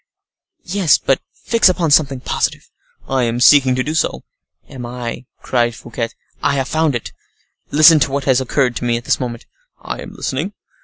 "Yes; but fix upon something positive." "I am seeking to do so." "And I," cried Fouquet, "I have found it. Listen to what has occurred to me at this moment." "I am listening."